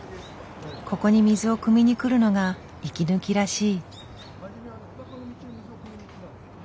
ここに水をくみに来るのが息抜きらしい。